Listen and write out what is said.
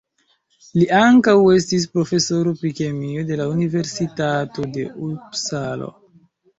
Li ankaŭ estis profesoro pri kemio de la universitato de Upsalo.